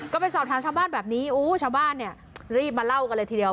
ก็ไปสอบถามชาวบ้านแบบนี้อู้ชาวบ้านเนี่ยรีบมาเล่ากันเลยทีเดียว